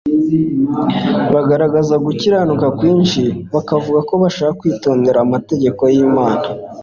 Bagaragazaga ugukiranuka kwinshi, bakavuga ko bashaka kwitondera amategeko y'Imana;